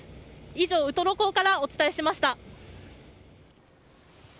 以上、ウトロ港からお伝えしました。